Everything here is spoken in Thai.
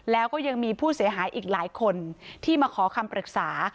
แล้วก็ยังมีผู้เสียหายอีกหลายคนที่มาขอคำปรึกษา